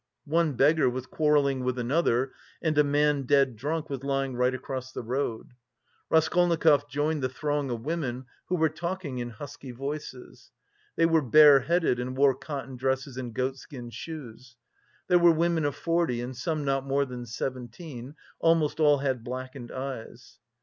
One beggar was quarrelling with another, and a man dead drunk was lying right across the road. Raskolnikov joined the throng of women, who were talking in husky voices. They were bare headed and wore cotton dresses and goatskin shoes. There were women of forty and some not more than seventeen; almost all had blackened eyes.